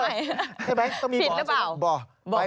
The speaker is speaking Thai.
ใช่ไหมต้องมีบ่ใช่ไหม